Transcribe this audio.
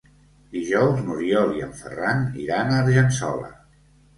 Dijous n'Oriol i en Ferran iran a Argençola.